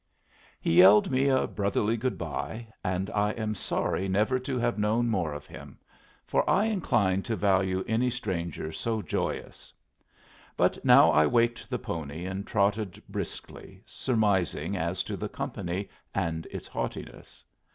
He yelled me a brotherly good bye, and I am sorry never to have known more of him, for I incline to value any stranger so joyous. But now I waked the pony and trotted briskly, surmising as to the company and its haughtiness.